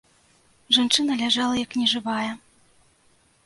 Жанчына ляжала, як нежывая.